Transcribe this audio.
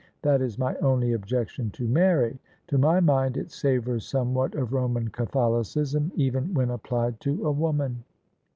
That is my only objection to Mary; to my mind it savours somewhat of Roman Catholicism, even when applied to a woman."